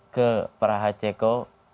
ke praha ceko